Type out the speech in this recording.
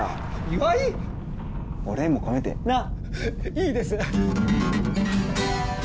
いいです！